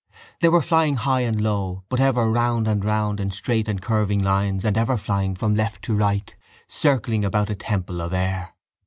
They were flying high and low but ever round and round in straight and curving lines and ever flying from left to right, circling about a temple of air.